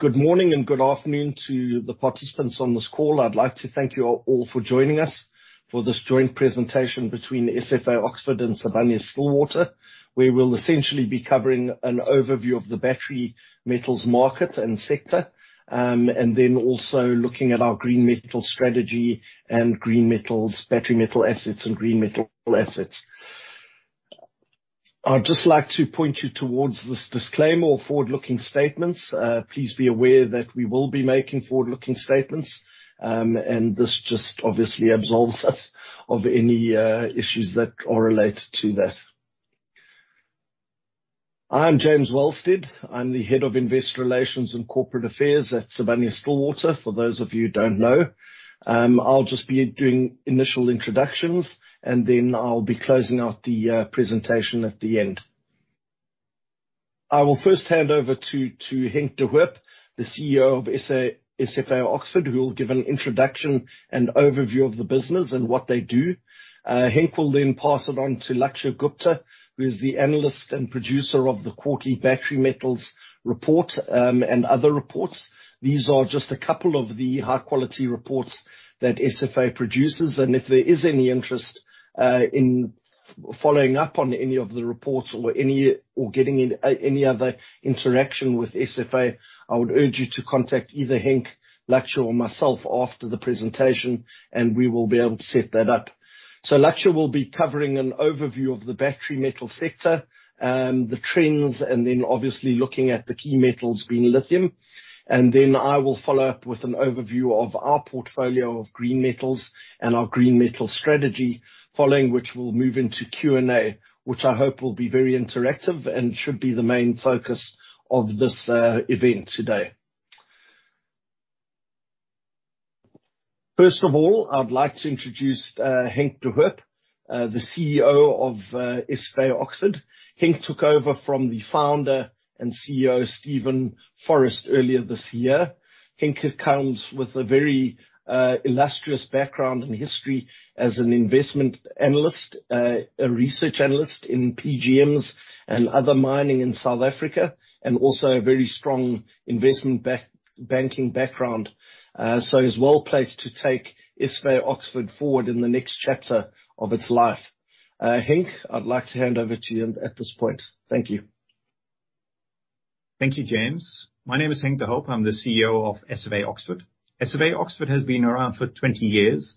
Good morning and good afternoon to the participants on this call. I'd like to thank you all for joining us for this joint presentation between SFA Oxford and Sibanye-Stillwater. We will essentially be covering an overview of the battery metals market and sector, and then also looking at our green metal strategy and green metals, battery metal assets and green metal assets. I'd just like to point you towards this disclaimer or forward-looking statements. Please be aware that we will be making forward-looking statements, and this just obviously absolves us of any issues that are related to that. I'm James Wellsted. I'm the head of Investor Relations and Corporate Affairs at Sibanye-Stillwater, for those of you who don't know. I'll just be doing initial introductions, and then I'll be closing out the presentation at the end. I will first hand over to Henk de Hoop, the CEO of SFA (Oxford), who will give an introduction and overview of the business and what they do. Henk will then pass it on to Lakshya Gupta, who is the analyst and producer of the quarterly Battery Metals report, and other reports. These are just a couple of the high quality reports that SFA produces. If there is any interest in following up on any of the reports or getting any other interaction with SFA, I would urge you to contact either Henk, Lakshya or myself after the presentation, and we will be able to set that up. Lakshya will be covering an overview of the battery metal sector, the trends, and then obviously looking at the key metals, being lithium. I will follow up with an overview of our portfolio of green metals and our green metal strategy, following which we'll move into Q&A, which I hope will be very interactive and should be the main focus of this event today. First of all, I'd like to introduce Henk de Hoop, the CEO of SFA (Oxford). Henk took over from the founder and CEO, Stephen Forrest, earlier this year. Henk comes with a very illustrious background and history as an investment analyst, a research analyst in PGMs and other mining in South Africa, and also a very strong investment back-banking background. So he's well-placed to take SFA (Oxford) forward in the next chapter of its life. Henk, I'd like to hand over to you at this point. Thank you. Thank you, James. My name is Henk de Hoop. I'm the CEO of SFA (Oxford). SFA (Oxford) has been around for 20 years.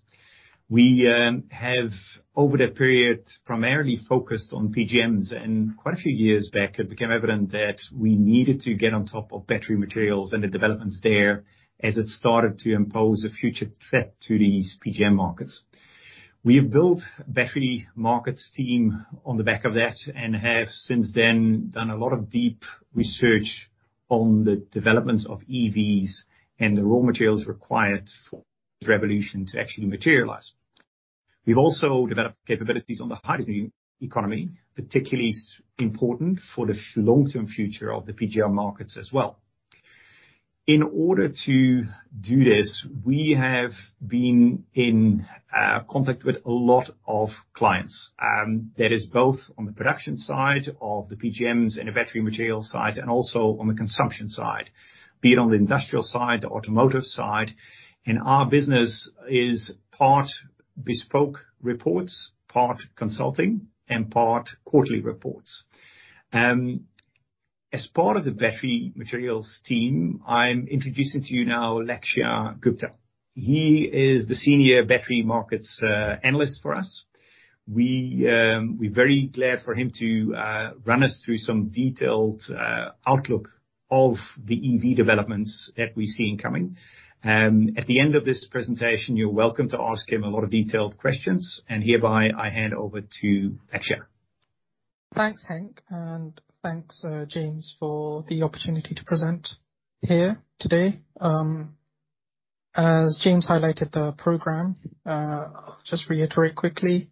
We have, over that period, primarily focused on PGMs, and quite a few years back it became evident that we needed to get on top of battery materials and the developments there as it started to impose a future threat to these PGM markets. We have built a battery markets team on the back of that and have since then done a lot of deep research on the developments of EVs and the raw materials required for this revolution to actually materialize. We've also developed capabilities on the hydrogen economy, particularly so important for the long-term future of the PGM markets as well. In order to do this, we have been in contact with a lot of clients, that is both on the production side of the PGMs and the battery materials side, and also on the consumption side, be it on the industrial side, the automotive side. Our business is part bespoke reports, part consulting, and part quarterly reports. As part of the battery materials team, I'm introducing to you now Lakshya Gupta. He is the Senior Battery Technologies Analyst for us. We're very glad for him to run us through some detailed outlook of the EV developments that we're seeing coming. At the end of this presentation, you're welcome to ask him a lot of detailed questions. Hereby I hand over to Lakshya. Thanks, Henk. Thanks, James, for the opportunity to present here today. As James highlighted the program, I'll just reiterate quickly.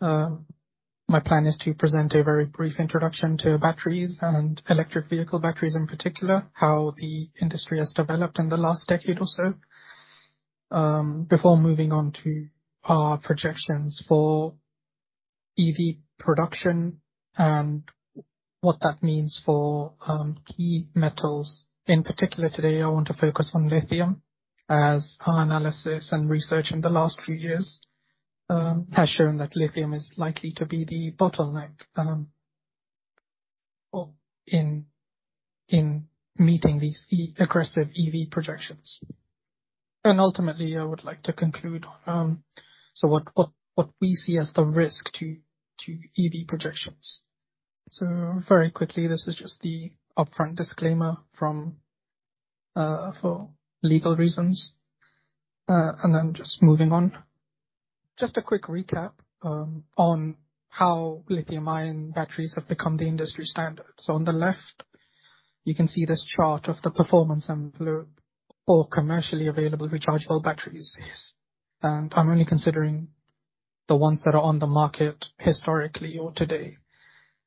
My plan is to present a very brief introduction to batteries and electric vehicle batteries in particular, how the industry has developed in the last decade or so, before moving on to our projections for EV production and what that means for key metals. In particular today, I want to focus on lithium as our analysis and research in the last few years has shown that lithium is likely to be the bottleneck in meeting these aggressive EV projections. Ultimately, I would like to conclude on so what we see as the risk to EV projections. Very quickly, this is just the upfront disclaimer from for legal reasons. I'm just moving on. Just a quick recap on how lithium-ion batteries have become the industry standard. On the left, you can see this chart of the performance envelope for commercially available rechargeable batteries. I'm only considering the ones that are on the market historically or today,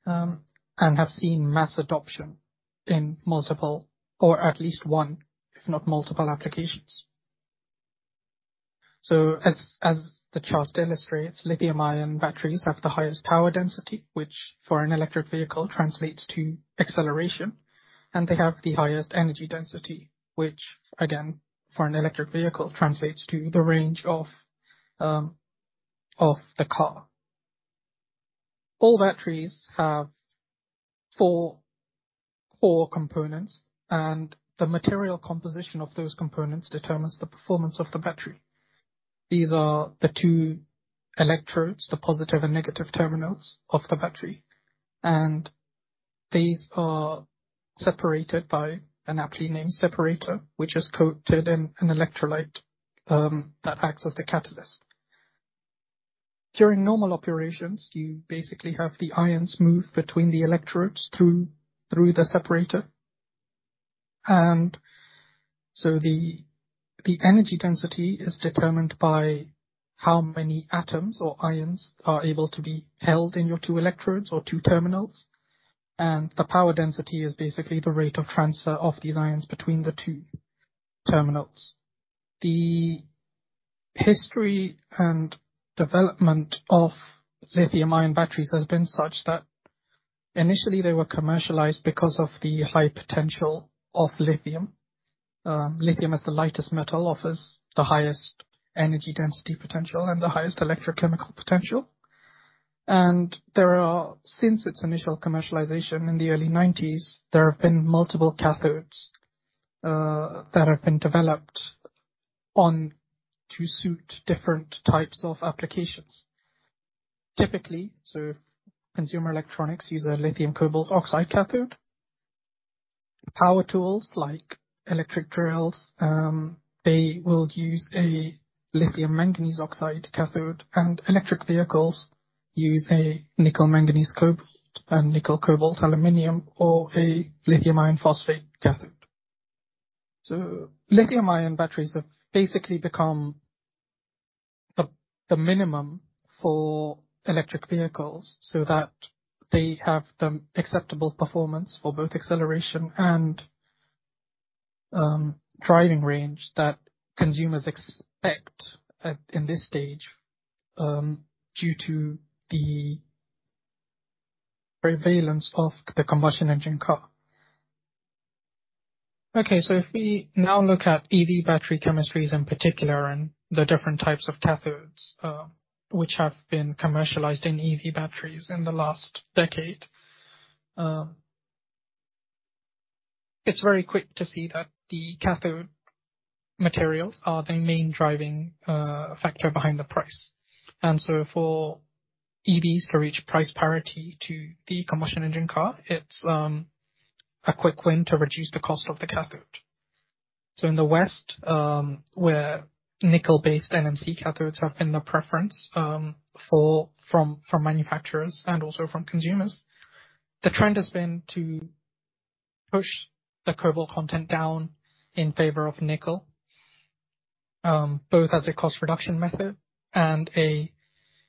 and have seen mass adoption in multiple or at least one, if not multiple applications. As the chart illustrates, lithium-ion batteries have the highest power density, which for an electric vehicle translates to acceleration, and they have the highest energy density, which again for an electric vehicle translates to the range of the car. All batteries have four core components, and the material composition of those components determines the performance of the battery. These are the two electrodes, the positive and negative terminals of the battery, and these are separated by an aptly named separator, which is coated in an electrolyte that acts as the catalyst. During normal operations, you basically have the ions move between the electrodes through the separator. The energy density is determined by how many atoms or ions are able to be held in your two electrodes or two terminals. The power density is basically the rate of transfer of these ions between the two terminals. The history and development of lithium-ion batteries has been such that initially they were commercialized because of the high potential of lithium. Lithium as the lightest metal offers the highest energy density potential and the highest electrochemical potential. There are Since its initial commercialization in the early nineties, there have been multiple cathodes that have been developed on to suit different types of applications. Typically, if consumer electronics use a lithium cobalt oxide cathode, power tools like electric drills, they will use a lithium manganese oxide cathode, and electric vehicles use a nickel manganese cobalt and nickel cobalt aluminum or a lithium iron phosphate cathode. Lithium ion batteries have basically become the minimum for electric vehicles so that they have the acceptable performance for both acceleration and driving range that consumers expect, in this stage, due to the prevalence of the combustion engine car. If we now look at EV battery chemistries in particular, and the different types of cathodes, which have been commercialized in EV batteries in the last decade, it's very quick to see that the cathode materials are the main driving factor behind the price. For EVs to reach price parity to the combustion engine car, it's a quick win to reduce the cost of the cathode. In the West, where nickel-based NMC cathodes have been the preference from manufacturers and also from consumers, the trend has been to push the cobalt content down in favor of nickel, both as a cost reduction method and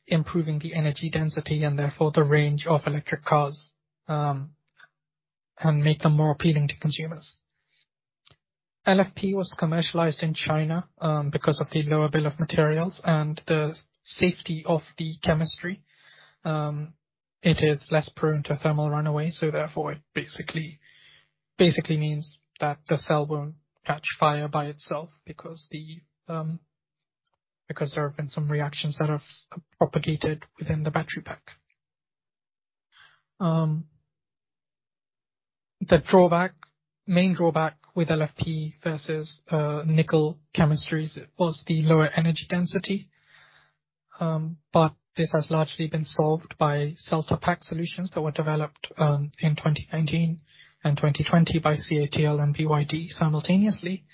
improving the energy density, and therefore the range of electric cars, and make them more appealing to consumers. LFP was commercialized in China because of the lower bill of materials and the safety of the chemistry. It is less prone to thermal runaway, so therefore it basically means that the cell won't catch fire by itself because there have been some reactions that have self-propagated within the battery pack. The main drawback with LFP versus nickel chemistries was the lower energy density. But this has largely been solved by cell-to-pack solutions that were developed in 2019 and 2020 by CATL and BYD simultaneously.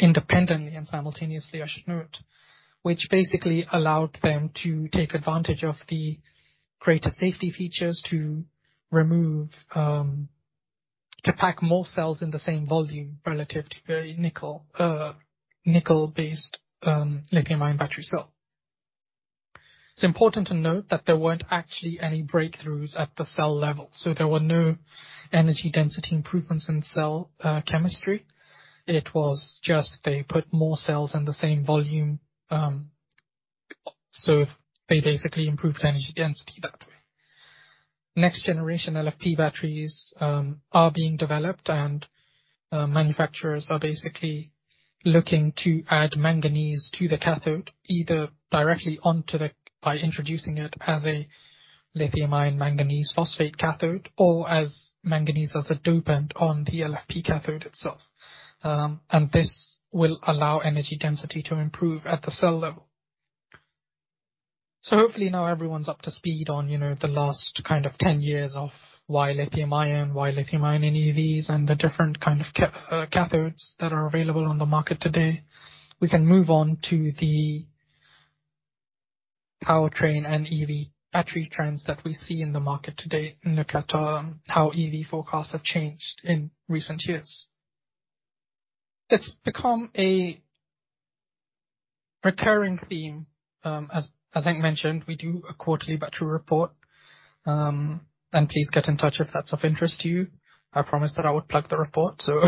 Independently and simultaneously, I should note, which basically allowed them to take advantage of the greater safety features to pack more cells in the same volume relative to a nickel-based lithium-ion battery cell. It's important to note that there weren't actually any breakthroughs at the cell level, so there were no energy density improvements in cell chemistry. It was just they put more cells in the same volume, so they basically improved the energy density that way. Next generation LFP batteries are being developed and manufacturers are basically looking to add manganese to the cathode, either by introducing it as a lithium manganese iron phosphate cathode or as manganese as a dopant on the LFP cathode itself. And this will allow energy density to improve at the cell level. Hopefully now everyone's up to speed on, you know, the last kind of 10 years of why lithium ion, why lithium ion in EVs, and the different kind of cathodes that are available on the market today. We can move on to the powertrain and EV battery trends that we see in the market today and look at how EV forecasts have changed in recent years. It's become a recurring theme. As Henk mentioned, we do a quarterly battery report. Please get in touch if that's of interest to you. I promised that I would plug the report, so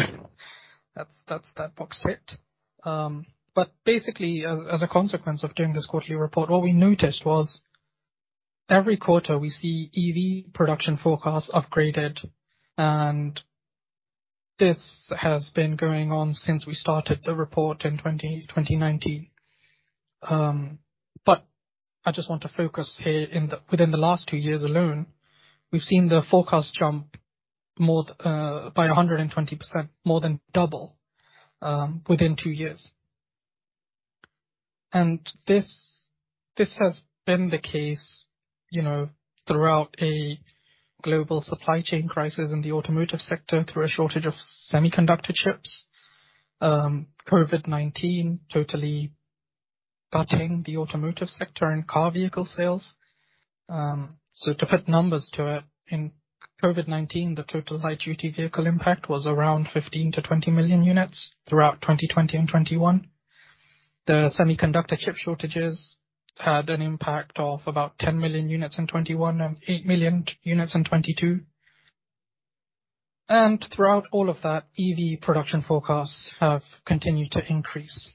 that's that box ticked. Basically, as a consequence of doing this quarterly report, what we noticed was every quarter we see EV production forecasts upgraded, and this has been going on since we started the report in 2019. I just want to focus here within the last two years alone, we've seen the forecast jump more by 120%, more than double, within two years. This has been the case, you know, throughout a global supply chain crisis in the automotive sector through a shortage of semiconductor chips. COVID-19 totally gutting the automotive sector and car vehicle sales. So to put numbers to it, in COVID-19, the total light-duty vehicle impact was around 15-20 million units throughout 2020 and 2021. The semiconductor chip shortages had an impact of about 10 million units in 2021 and 8 million units in 2022. Throughout all of that, EV production forecasts have continued to increase.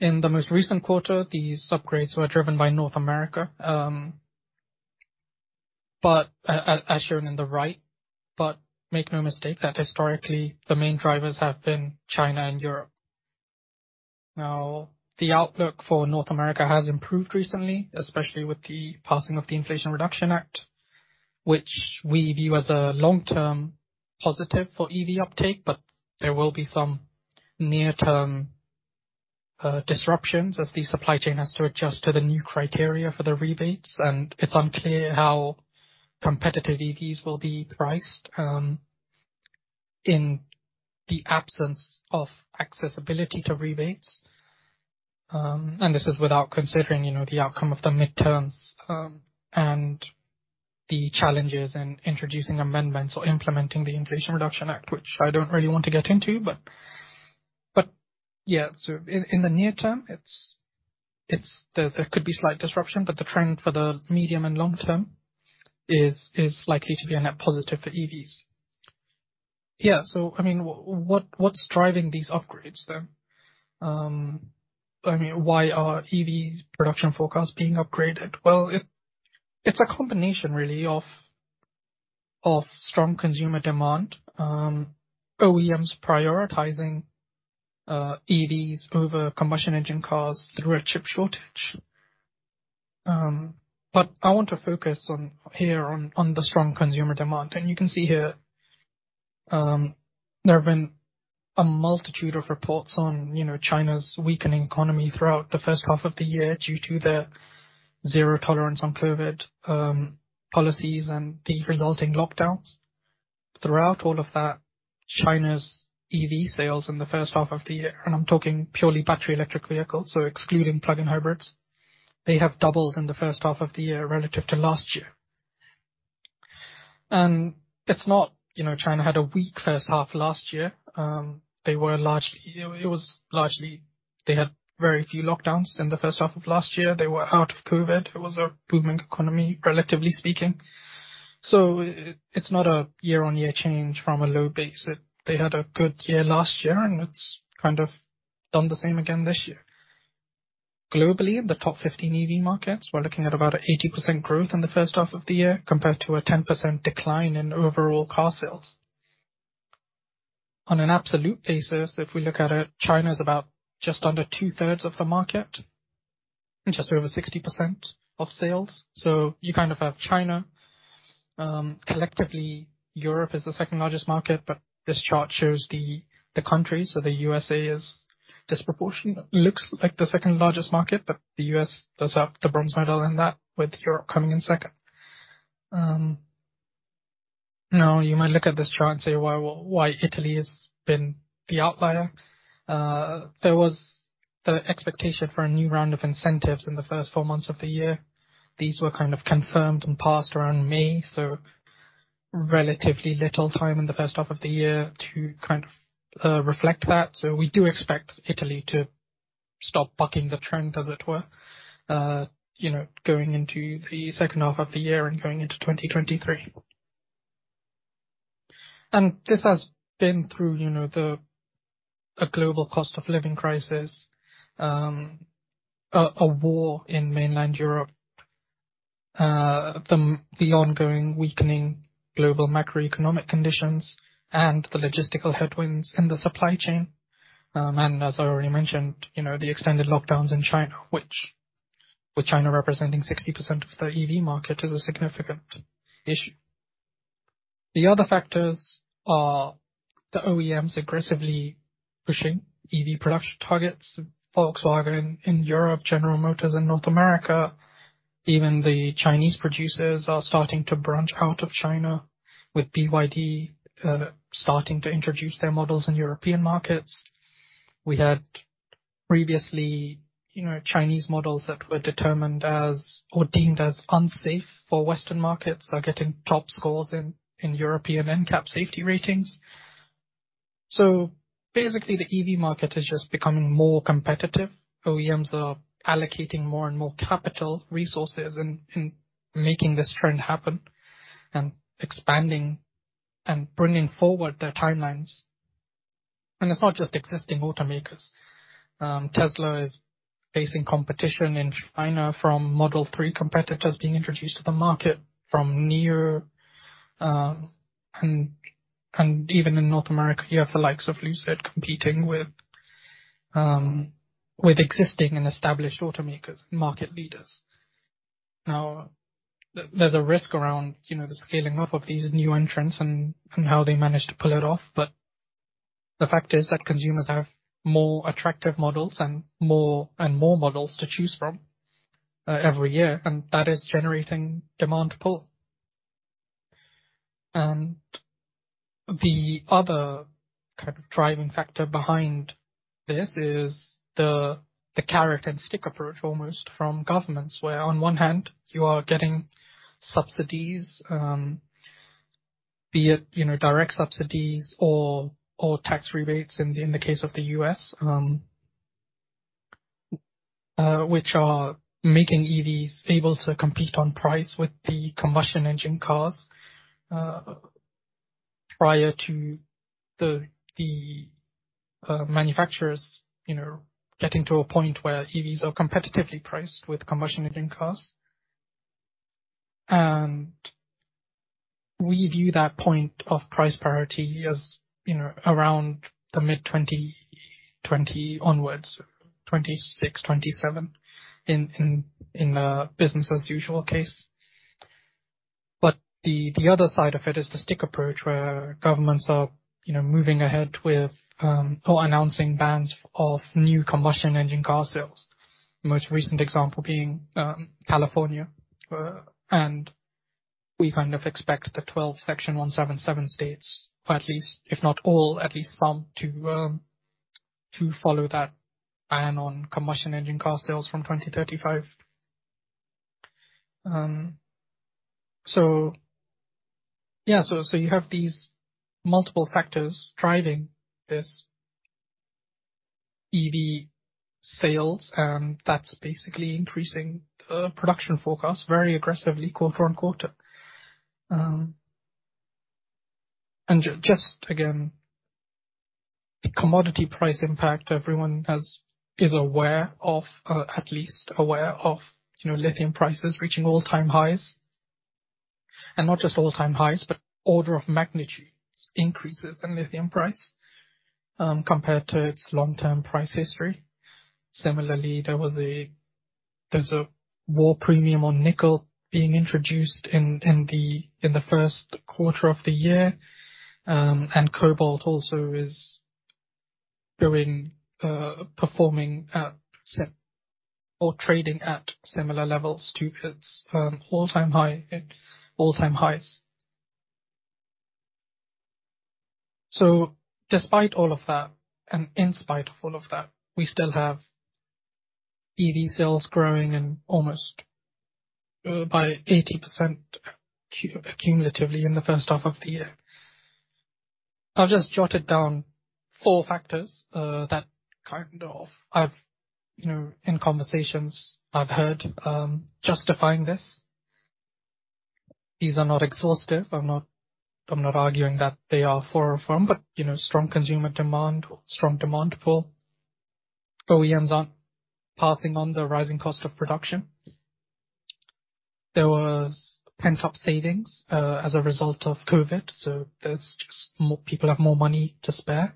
In the most recent quarter, these upgrades were driven by North America, but as shown on the right, but make no mistake that historically, the main drivers have been China and Europe. Now, the outlook for North America has improved recently, especially with the passing of the Inflation Reduction Act, which we view as a long-term positive for EV uptake, but there will be some near-term disruptions as the supply chain has to adjust to the new criteria for the rebates, and it's unclear how competitive EVs will be priced in the absence of accessibility to rebates. This is without considering, you know, the outcome of the midterms and the challenges in introducing amendments or implementing the Inflation Reduction Act, which I don't really want to get into. In the near term, there could be slight disruption, but the trend for the medium and long term is likely to be a net positive for EVs. I mean, what's driving these upgrades then? I mean, why are EVs production forecasts being upgraded? Well, it's a combination really of strong consumer demand, OEMs prioritizing EVs over combustion engine cars through a chip shortage. But I want to focus here on the strong consumer demand. You can see here, there have been a multitude of reports on, you know, China's weakening economy throughout the first half of the year due to the zero tolerance on COVID policies and the resulting lockdowns. Throughout all of that, China's EV sales in the first half of the year, and I'm talking purely battery electric vehicles, so excluding plug-in hybrids. They have doubled in the first half of the year relative to last year. It's not, you know, China had a weak first half last year. It was largely they had very few lockdowns in the first half of last year. They were out of COVID. It was a booming economy, relatively speaking. It's not a year-on-year change from a low base. They had a good year last year, and it's kind of done the same again this year. Globally, the top 15 EV markets, we're looking at about 80% growth in the first half of the year compared to a 10% decline in overall car sales. On an absolute basis, if we look at it, China's about just under two-thirds of the market and just over 60% of sales. You kind of have China. Collectively, Europe is the second-largest market, but this chart shows the countries. The USA is disproportionate. Looks like the second-largest market, but the U.S. does have the bronze medal in that, with Europe coming in second. Now, you might look at this chart and say why Italy has been the outlier. There was the expectation for a new round of incentives in the first four months of the year. These were kind of confirmed and passed around May, so relatively little time in the first half of the year to kind of reflect that. We do expect Italy to stop bucking the trend, as it were, you know, going into the second half of the year and going into 2023. This has been through, you know, the global cost of living crisis, a war in mainland Europe, the ongoing weakening global macroeconomic conditions and the logistical headwinds in the supply chain. As I already mentioned, you know, the extended lockdowns in China, which with China representing 60% of the EV market, is a significant issue. The other factors are the OEMs aggressively pushing EV production targets. Volkswagen in Europe, General Motors in North America, even the Chinese producers are starting to branch out of China, with BYD starting to introduce their models in European markets. We had previously, you know, Chinese models that were determined as or deemed as unsafe for Western markets are getting top scores in European NCAP safety ratings. So basically, the EV market is just becoming more competitive. OEMs are allocating more and more capital resources in making this trend happen and expanding and bringing forward their timelines. It's not just existing automakers. Tesla is facing competition in China from Model 3 competitors being introduced to the market from NIO, and even in North America, you have the likes of Lucid competing with existing and established automakers, market leaders. Now, there's a risk around, you know, the scaling up of these new entrants and how they managed to pull it off. The fact is that consumers have more attractive models and more and more models to choose from every year, and that is generating demand pull. The other kind of driving factor behind this is the carrot and stick approach, almost from governments, where on one hand, you are getting subsidies, be it, you know, direct subsidies or tax rebates in the case of the U.S., which are making EVs able to compete on price with the combustion engine cars, prior to the manufacturers, you know, getting to a point where EVs are competitively priced with combustion engine cars. We view that point of price parity as, you know, around the mid-2020s onwards, 2026, 2027 in a business as usual case. The other side of it is the stick approach, where governments are, you know, moving ahead with or announcing bans of new combustion engine car sales. The most recent example being California. We kind of expect the 12 Section 177 states, or at least if not all, at least some, to follow that ban on combustion engine car sales from 2035. Yeah. You have these multiple factors driving this EV sales, and that's basically increasing production forecasts very aggressively quarter on quarter. Just again, the commodity price impact everyone is aware of, at least aware of, you know, lithium prices reaching all-time highs. Not just all-time highs, but order of magnitude increases in lithium price, compared to its long-term price history. Similarly, there's a war premium on nickel being introduced in the first quarter of the year. Cobalt also is performing or trading at similar levels to its all-time highs. Despite all of that and in spite of all of that, we still have EV sales growing and almost by 80% accumulatively in the first half of the year. I've just jotted down four factors that kind of, you know, in conversations I've heard justifying this. These are not exhaustive. I'm not arguing that they are affirm, but you know, strong consumer demand, strong demand pull. OEMs aren't passing on the rising cost of production. There was pent-up savings as a result of COVID, so there's more people have more money to spare.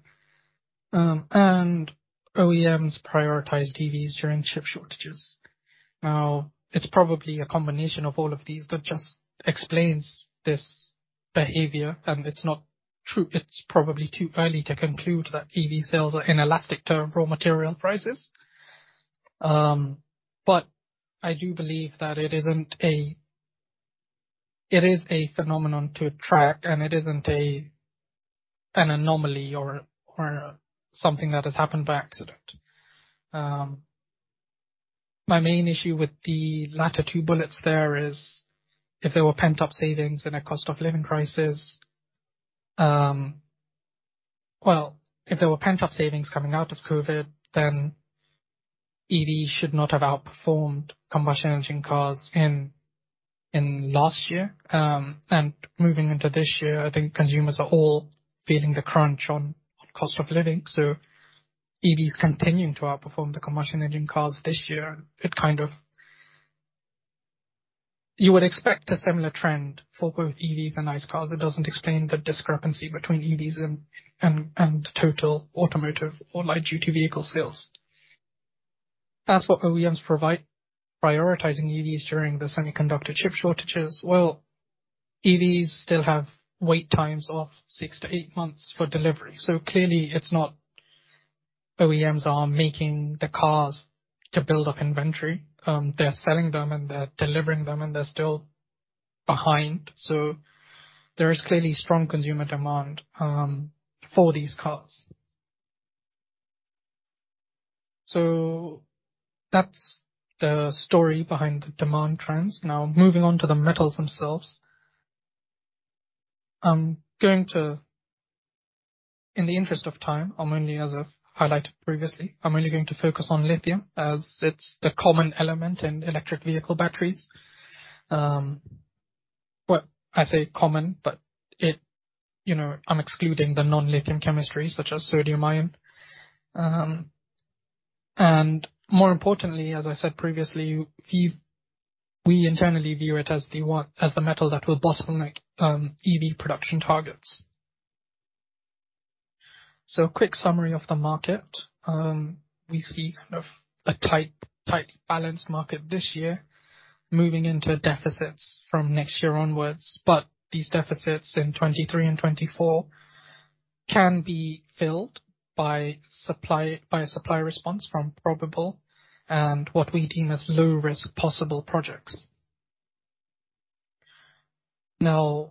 OEMs prioritize EVs during chip shortages. Now, it's probably a combination of all of these that just explains this behavior. It's probably too early to conclude that EV sales are inelastic to raw material prices. I do believe that it is a phenomenon to track, and it isn't an anomaly or something that has happened by accident. My main issue with the latter two bullets there is if there were pent-up savings in a cost of living crisis, if there were pent-up savings coming out of COVID, then EVs should not have outperformed combustion engine cars in last year. Moving into this year, I think consumers are all feeling the crunch on cost of living, so EVs continuing to outperform the combustion engine cars this year. You would expect a similar trend for both EVs and ICE cars. It doesn't explain the discrepancy between EVs and total automotive or light-duty vehicle sales. As for OEMs prioritizing EVs during the semiconductor chip shortages, well, EVs still have wait times of 6-8 months for delivery, so clearly it's not OEMs are making the cars to build up inventory. They're selling them and they're delivering them, and they're still behind. There is clearly strong consumer demand for these cars. That's the story behind the demand trends. Now moving on to the metals themselves. I'm going to, in the interest of time, I'm only going to focus on lithium as it's the common element in electric vehicle batteries. Well, I say common, but it, you know, I'm excluding the non-lithium chemistry such as sodium-ion. And more importantly, as I said previously, we internally view it as the metal that will bottleneck EV production targets. Quick summary of the market. We see kind of a tight balanced market this year moving into deficits from next year onwards, but these deficits in 2023 and 2024 can be filled by supply, by a supply response from probable and what we deem as low-risk possible projects. Now,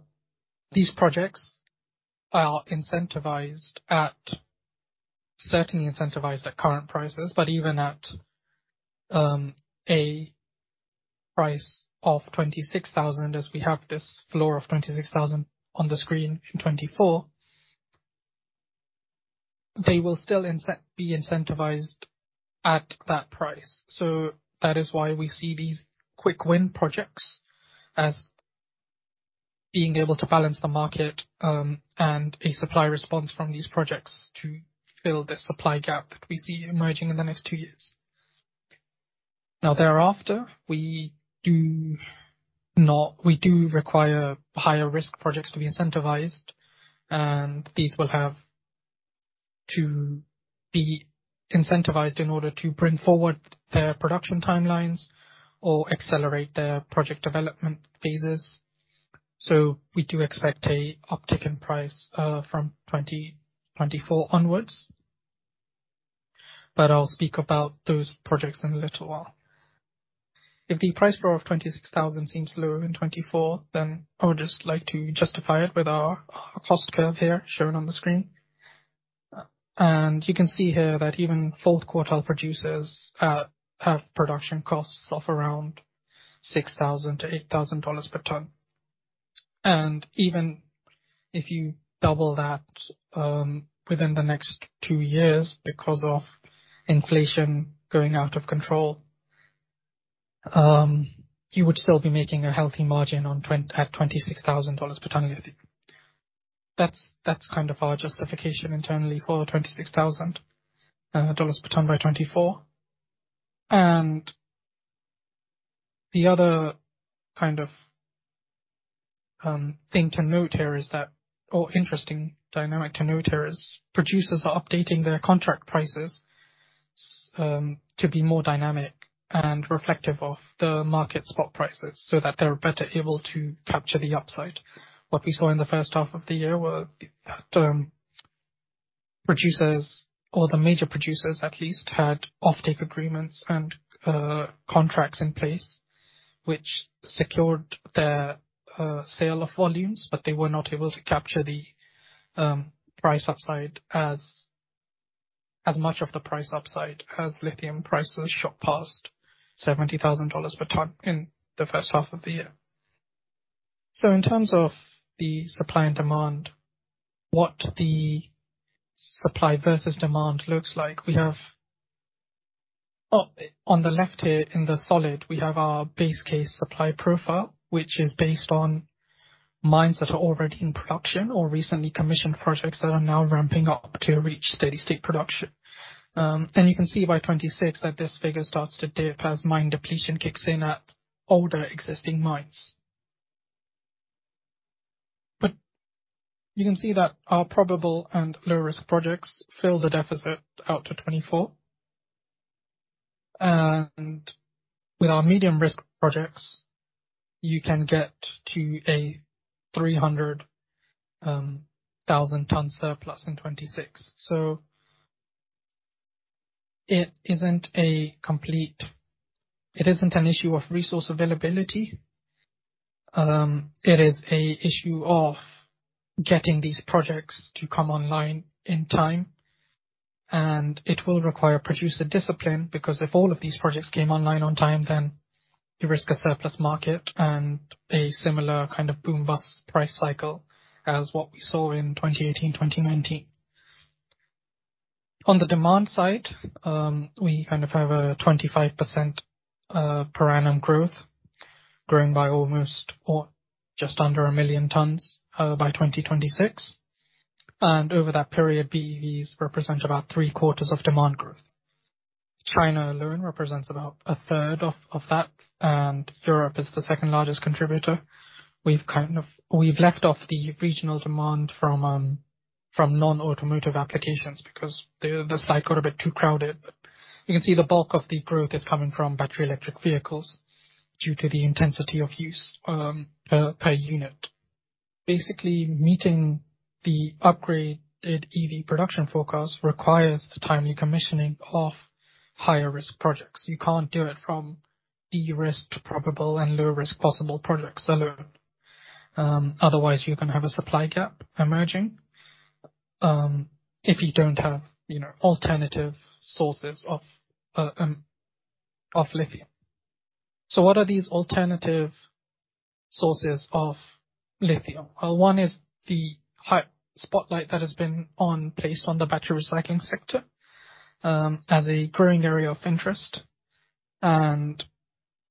these projects are incentivized at, certainly incentivized at current prices, but even at a price of 26,000, as we have this floor of $26,000 on the screen in 2024. They will still be incentivized at that price. That is why we see these quick win projects as being able to balance the market, and a supply response from these projects to fill this supply gap that we see emerging in the next two years. Now thereafter, we do require higher risk projects to be incentivized, and these will have to be incentivized in order to bring forward their production timelines or accelerate their project development phases. We do expect an uptick in price from 2024 onwards. I'll speak about those projects in a little while. If the price floor of 26,000 seems low in 2024, then I would just like to justify it with our cost curve here shown on the screen. And you can see here that even fourth quartile producers have production costs of around $6,000-$8,000 per ton. And even if you double that within the next two years because of inflation going out of control, you would still be making a healthy margin at $26,000 per ton. That's kind of our justification internally for $26,000 per ton by 2024. The other kind of interesting dynamic to note here is producers are updating their contract prices to be more dynamic and reflective of the market spot prices so that they're better able to capture the upside. What we saw in the first half of the year were producers or the major producers at least had offtake agreements and contracts in place which secured their sale of volumes, but they were not able to capture the price upside as much of the price upside as lithium prices shot past $70,000 per ton in the first half of the year. In terms of the supply and demand, what the supply versus demand looks like. We have... Oh, on the left here in the slide, we have our base case supply profile, which is based on mines that are already in production or recently commissioned projects that are now ramping up to reach steady state production. You can see by 2026 that this figure starts to dip as mine depletion kicks in at older existing mines. You can see that our probable and low-risk projects fill the deficit out to 2024. With our medium risk projects, you can get to a 300,000 ton surplus in 2026. It isn't an issue of resource availability. It is an issue of getting these projects to come online in time. It will require producer discipline because if all of these projects came online on time, then you risk a surplus market and a similar kind of boom-bust price cycle as what we saw in 2018, 2019. On the demand side, we kind of have a 25% per annum growth growing by almost or just under 1 million tons by 2026. Over that period, BEVs represent about three-quarters of demand growth. China alone represents about a third of that, and Europe is the second largest contributor. We've left off the regional demand from non-automotive applications because the cycle a bit too crowded. You can see the bulk of the growth is coming from battery electric vehicles due to the intensity of use per unit. Basically, meeting the upgraded EV production forecast requires the timely commissioning of higher risk projects. You can't do it without de-risking probable and low risk possible projects earlier. Otherwise you're gonna have a supply gap emerging, if you don't have, you know, alternative sources of lithium. What are these alternative sources of lithium? Well, one is the high spotlight that has been placed on the battery recycling sector, as a growing area of interest.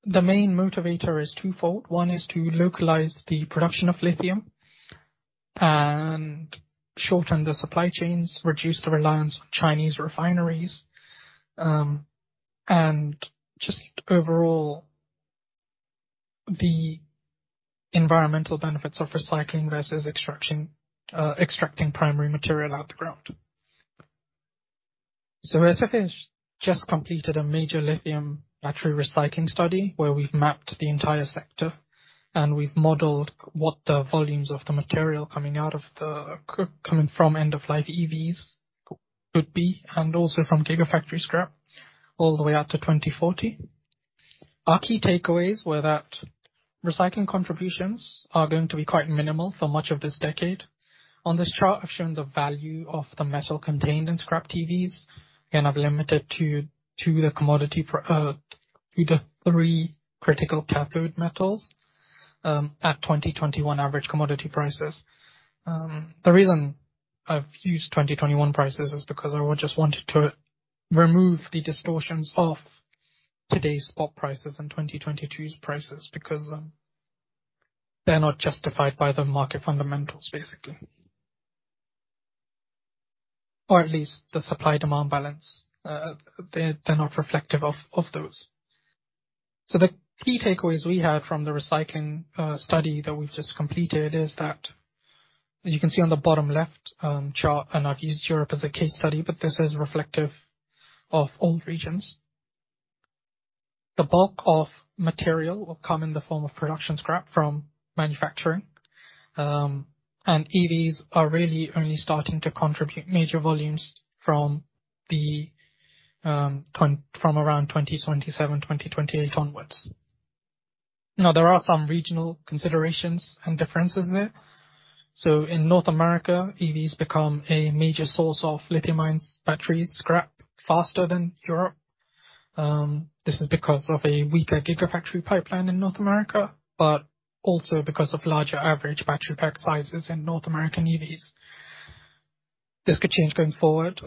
The main motivator is twofold. One is to localize the production of lithium and shorten the supply chains, reduce the reliance on Chinese refineries, and just overall the environmental benefits of recycling versus extracting primary material out of the ground. SFA has just completed a major lithium battery recycling study where we've mapped the entire sector and we've modeled what the volumes of the material coming from end-of-life EVs could be, and also from Gigafactory scrap all the way out to 2040. Our key takeaways were that recycling contributions are going to be quite minimal for much of this decade. On this chart, I've shown the value of the metal contained in scrap EVs, and I've limited to the three critical cathode metals at 2021 average commodity prices. The reason I've used 2021 prices is because I just wanted to remove the distortions of today's spot prices and 2022's prices because they're not justified by the market fundamentals, basically. Or at least the supply demand balance. They're not reflective of those. The key takeaways we had from the recycling study that we've just completed is that as you can see on the bottom left chart, and I've used Europe as a case study, but this is reflective of all regions. The bulk of material will come in the form of production scrap from manufacturing. EVs are really only starting to contribute major volumes from around 2027, 2028 onwards. Now, there are some regional considerations and differences there. In North America, EVs become a major source of lithium-ion battery scrap faster than Europe. This is because of a weaker Gigafactory pipeline in North America, but also because of larger average battery pack sizes in North American EVs. This could change going forward,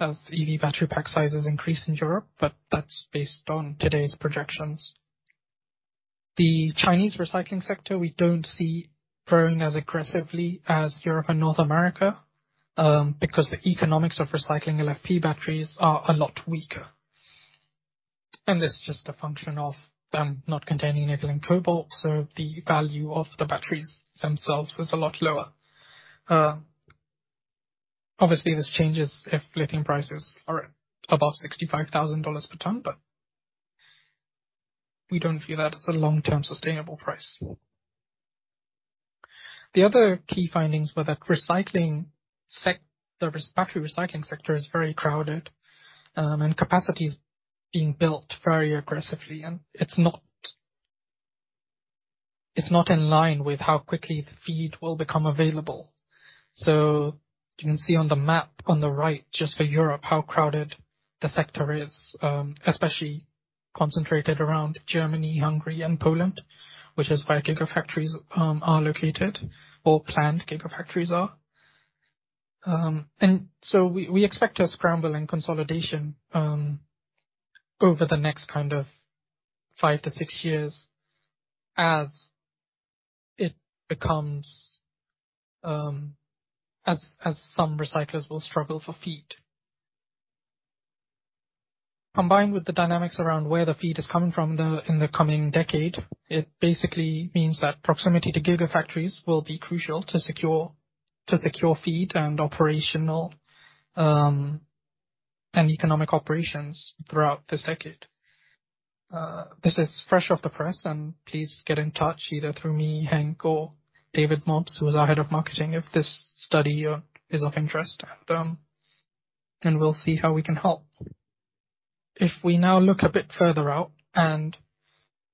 as EV battery pack sizes increase in Europe, but that's based on today's projections. The Chinese recycling sector, we don't see growing as aggressively as Europe and North America, because the economics of recycling LFP batteries are a lot weaker. That's just a function of them not containing nickel and cobalt, so the value of the batteries themselves is a lot lower. Obviously, this changes if lithium prices are above $65,000 per ton, but we don't view that as a long-term sustainable price. The other key findings were that the battery recycling sector is very crowded, and capacity is being built very aggressively. It's not in line with how quickly the feed will become available. You can see on the map on the right, just for Europe, how crowded the sector is, especially concentrated around Germany, Hungary, and Poland, which is where Gigafactories are located, or planned Gigafactories are. We expect a scramble in consolidation over the next kind of 5-6 years as it becomes some recyclers will struggle for feed. Combined with the dynamics around where the feed is coming from in the coming decade, it basically means that proximity to Gigafactories will be crucial to secure feed and operational and economic operations throughout this decade. This is fresh off the press, and please get in touch either through me, Henk or David Mobbs, who is our Head of Marketing, if this study is of interest. We'll see how we can help. If we now look a bit further out and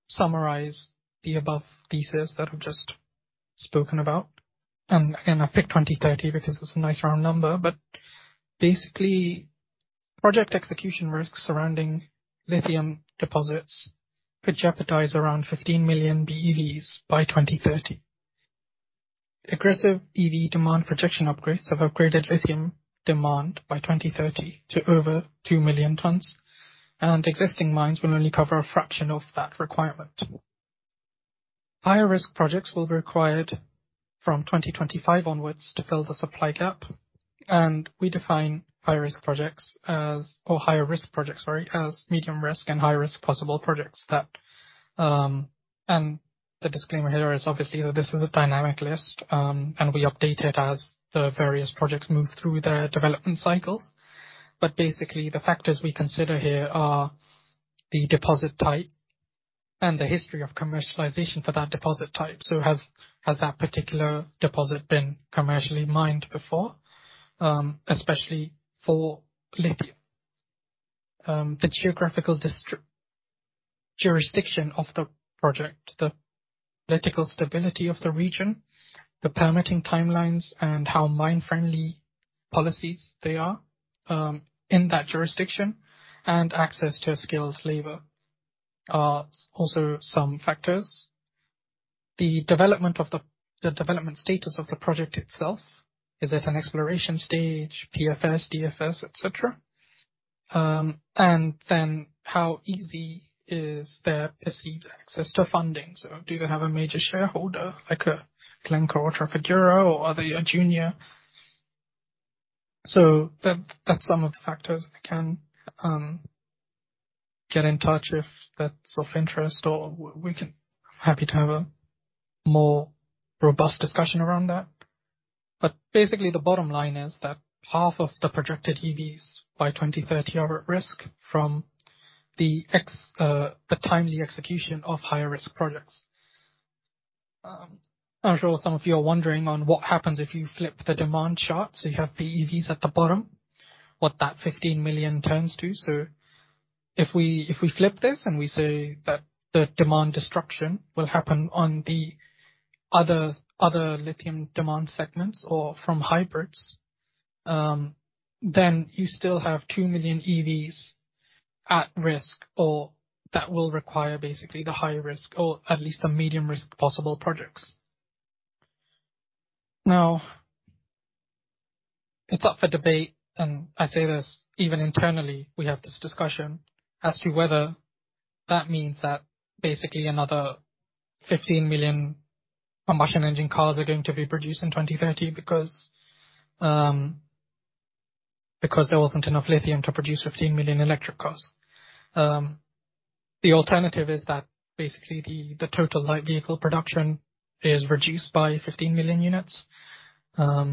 summarize the above thesis that I've just spoken about, and again, I've picked 2030 because it's a nice round number. Basically, project execution risks surrounding lithium deposits could jeopardize around 15 million BEVs by 2030. Aggressive EV demand projection upgrades have upgraded lithium demand by 2030 to over 2 million tons, and existing mines will only cover a fraction of that requirement. Higher risk projects will be required from 2025 onwards to fill the supply gap. We define higher risk projects, sorry, as medium risk and high risk possible projects that. The disclaimer here is obviously that this is a dynamic list, and we update it as the various projects move through their development cycles. Basically, the factors we consider here are the deposit type and the history of commercialization for that deposit type. Has that particular deposit been commercially mined before? Especially for lithium, the geographical jurisdiction of the project, the political stability of the region, the permitting timelines and how mining-friendly policies they are, in that jurisdiction and access to skilled labor are also some factors. The development status of the project itself. Is it an exploration stage, PFS, DFS, et cetera? And then how easy is their perceived access to funding? Do they have a major shareholder like a Glencore or Trafigura or are they a junior? That, that's some of the factors that can get in touch if that's of interest or we can. I'm happy to have a more robust discussion around that. Basically the bottom line is that half of the projected EVs by 2030 are at risk from the timely execution of higher risk projects. I'm sure some of you are wondering what happens if you flip the demand chart, so you have BEVs at the bottom, what that 15 million turns to. If we flip this and we say that the demand destruction will happen on the other lithium demand segments or from hybrids, then you still have 2 million EVs at risk or that will require basically the high risk or at least a medium-risk possible projects. Now it's up for debate, and I say this even internally we have this discussion as to whether that means that basically another 15 million combustion engine cars are going to be produced in 2030 because there wasn't enough lithium to produce 15 million electric cars. The alternative is that basically the total light vehicle production is reduced by 15 million units. The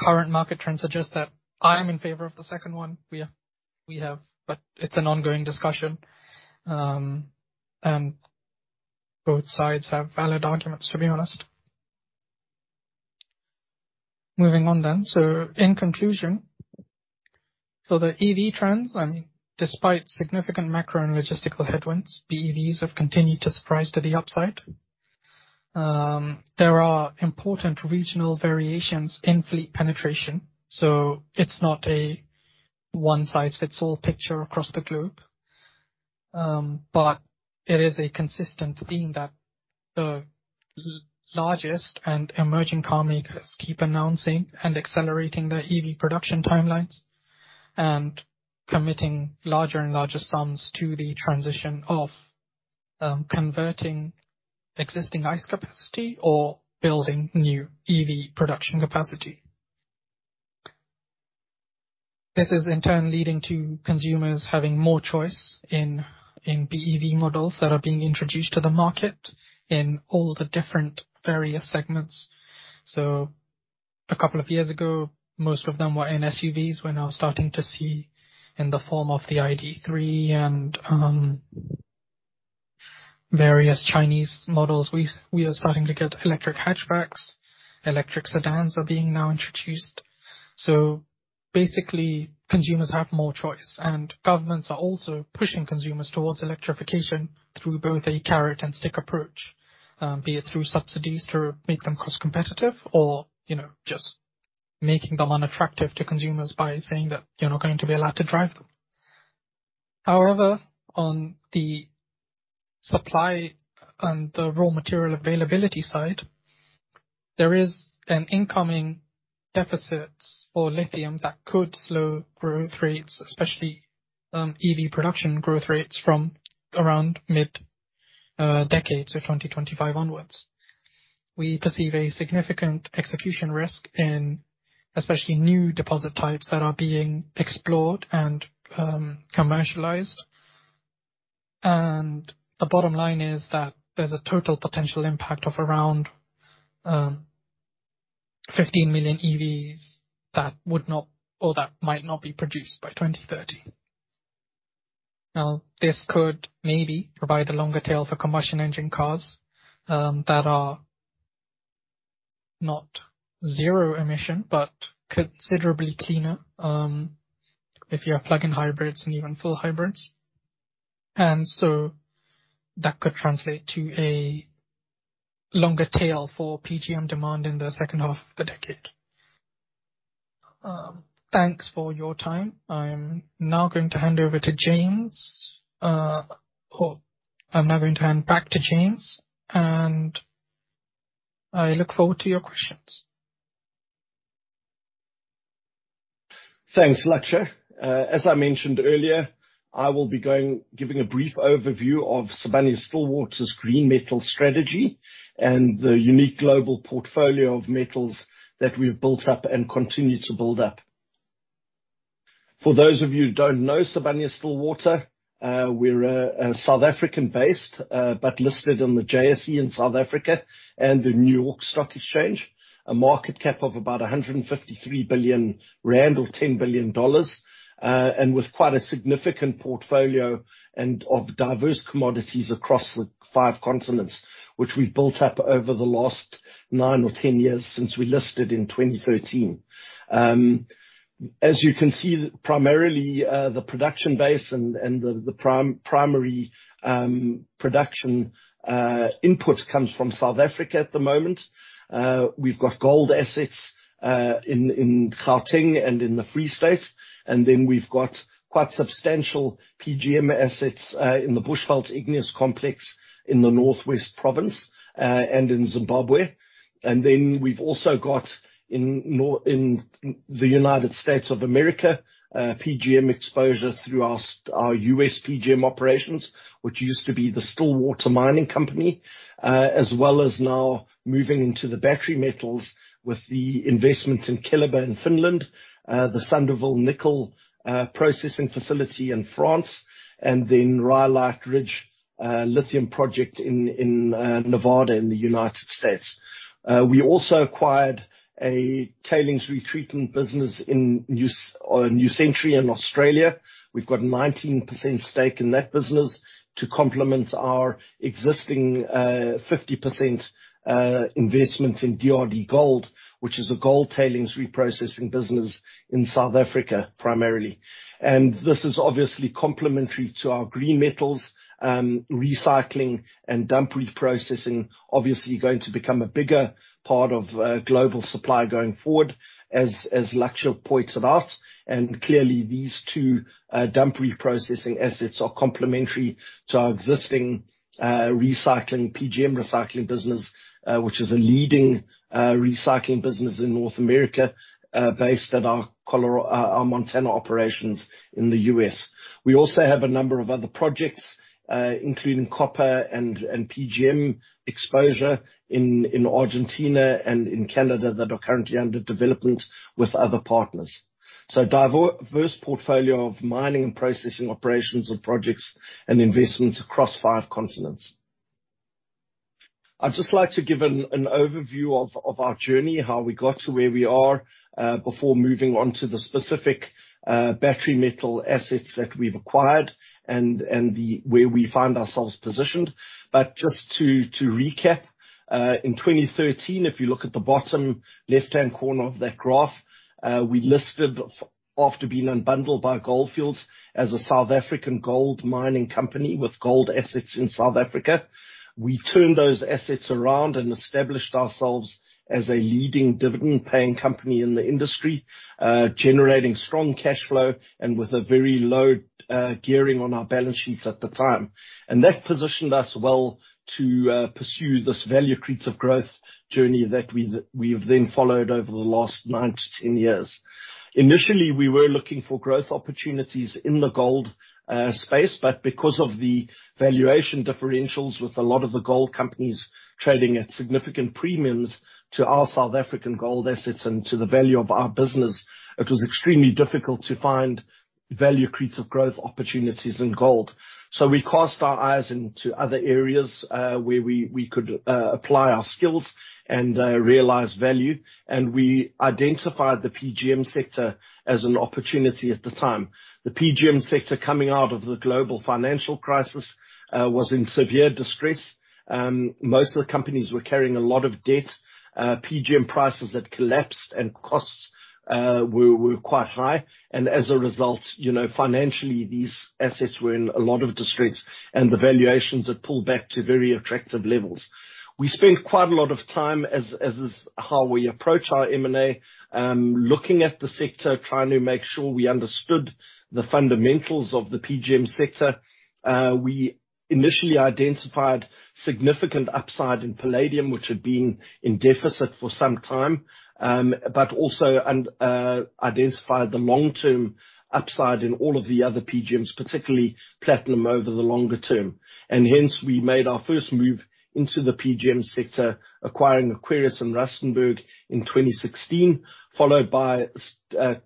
current market trend suggests that I'm in favor of the second one. It's an ongoing discussion, and both sides have valid arguments, to be honest. Moving on. In conclusion. The EV trends, I mean, despite significant macro and logistical headwinds, BEVs have continued to surprise to the upside. There are important regional variations in fleet penetration, so it's not a one-size-fits-all picture across the globe. It is a consistent theme that the largest and emerging car makers keep announcing and accelerating their EV production timelines and committing larger and larger sums to the transition of converting existing ICE capacity or building new EV production capacity. This is in turn leading to consumers having more choice in BEV models that are being introduced to the market in all the different various segments. A couple of years ago, most of them were in SUVs. We're now starting to see in the form of the ID.3 and various Chinese models. We are starting to get electric hatchbacks. Electric sedans are being now introduced. Basically, consumers have more choice. Governments are also pushing consumers towards electrification through both a carrot and stick approach, be it through subsidies to make them cost competitive or, you know, just making them unattractive to consumers by saying that you're not going to be allowed to drive them. However, on the supply and the raw material availability side, there is an incoming deficit for lithium that could slow growth rates, especially EV production growth rates from around mid decade, so 2025 onwards. We perceive a significant execution risk in especially new deposit types that are being explored and commercialized. The bottom line is that there's a total potential impact of around 15 million EVs that would not or that might not be produced by 2030. Now, this could maybe provide a longer tail for combustion engine cars that are not zero emission, but considerably cleaner, if you have plug-in hybrids and even full hybrids. That could translate to a longer tail for PGM demand in the second half of the decade. Thanks for your time. I'm now going to hand back to James and I look forward to your questions. Thanks, Lakshya. As I mentioned earlier, I will be giving a brief overview of Sibanye-Stillwater's green metal strategy and the unique global portfolio of metals that we've built up and continue to build up. For those of you who don't know Sibanye-Stillwater, we're a South African-based but listed on the JSE in South Africa and the New York Stock Exchange. A market cap of about 153 billion rand or $10 billion. With quite a significant portfolio of diverse commodities across the five continents, which we've built up over the last 9 or 10 years since we listed in 2013. As you can see, primarily the production base and the primary production input comes from South Africa at the moment. We've got gold assets in Gauteng and in the Free State. We've got quite substantial PGM assets in the Bushveld Igneous Complex in the North West Province and in Zimbabwe. We've also got in the United States of America PGM exposure through our U.S. PGM operations, which used to be the Stillwater Mining Company, as well as now moving into the battery metals with the investment in Keliber in Finland, the Sandouville nickel processing facility in France, and then Rhyolite Ridge lithium project in Nevada in the United States. We also acquired a tailings retreatment business in New Century in Australia. We've got 19% stake in that business to complement our existing, 50% investment in DRDGOLD, which is a gold tailings reprocessing business in South Africa, primarily. This is obviously complementary to our green metals, recycling and dump reprocessing, obviously going to become a bigger part of, global supply going forward, as Lakshya pointed out. Clearly, these two dump reprocessing assets are complementary to our existing, recycling, PGM recycling business, which is a leading, recycling business in North America, based at our Montana operations in the U.S. We also have a number of other projects, including copper and PGM exposure in Argentina and in Canada that are currently under development with other partners. Diverse portfolio of mining and processing operations and projects and investments across five continents. I'd just like to give an overview of our journey, how we got to where we are, before moving on to the specific battery metal assets that we've acquired and where we find ourselves positioned. Just to recap, in 2013, if you look at the bottom left-hand corner of that graph, we listed after being unbundled by Gold Fields as a South African gold mining company with gold assets in South Africa. We turned those assets around and established ourselves as a leading dividend-paying company in the industry, generating strong cash flow and with a very low gearing on our balance sheets at the time. That positioned us well to pursue this value accretive growth journey that we've then followed over the last nine to 10 years. Initially, we were looking for growth opportunities in the gold space, but because of the valuation differentials with a lot of the gold companies trading at significant premiums to our South African gold assets and to the value of our business, it was extremely difficult to find value accretive growth opportunities in gold. We cast our eyes into other areas, where we could apply our skills and realize value, and we identified the PGM sector as an opportunity at the time. The PGM sector coming out of the global financial crisis was in severe distress. Most of the companies were carrying a lot of debt. PGM prices had collapsed and costs were quite high. As a result, you know, financially, these assets were in a lot of distress, and the valuations had pulled back to very attractive levels. We spent quite a lot of time, as is how we approach our M&A, looking at the sector, trying to make sure we understood the fundamentals of the PGM sector. We initially identified significant upside in palladium, which had been in deficit for some time, but also identified the long-term upside in all of the other PGMs, particularly platinum over the longer term. Hence, we made our first move into the PGM sector, acquiring Aquarius Platinum in Rustenburg in 2016, followed by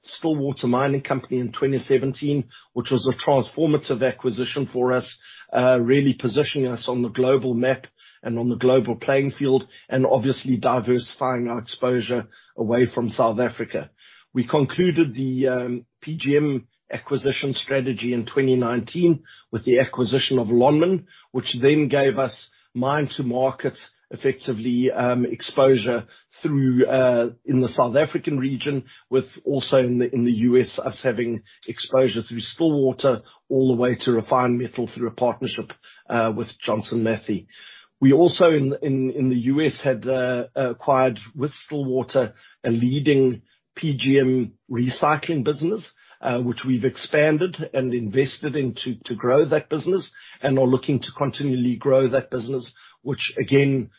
Stillwater Mining Company in 2017, which was a transformative acquisition for us, really positioning us on the global map and on the global playing field and obviously diversifying our exposure away from South Africa. We concluded the PGM acquisition strategy in 2019 with the acquisition of Lonmin, which then gave us mine to market effectively exposure through in the South African region, with also in the U.S. having exposure through Stillwater all the way to refined metal through a partnership with Johnson Matthey. We also in the U.S. had acquired with Stillwater a leading PGM recycling business, which we've expanded and invested in to grow that business and are looking to continually grow that business, which again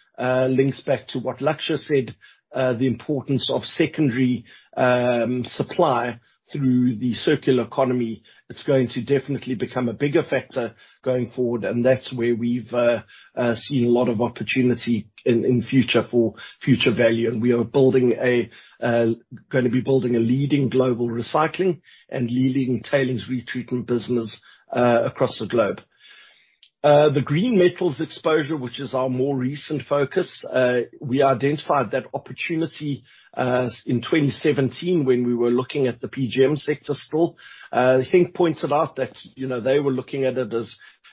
links back to what Lakshya said the importance of secondary supply through the circular economy. It's going to definitely become a bigger factor going forward, and that's where we've seen a lot of opportunity in future for future value. We are building a gonna be building a leading global recycling and leading tailings retreatment business across the globe. The green metals exposure, which is our more recent focus, we identified that opportunity in 2017 when we were looking at the PGM sector still. I think pointed out that, you know, they were looking at it